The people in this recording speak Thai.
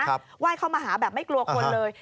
ไหว้เข้ามาหาแบบไม่กลัวคนเลย